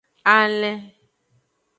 Alen.